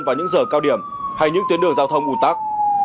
vào những giờ cao điểm hay những tuyến đường giao thông ủ tắc